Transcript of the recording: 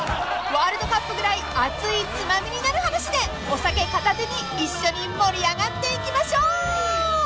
［ワールドカップぐらい熱いツマミになる話でお酒片手に一緒に盛り上がっていきましょう！］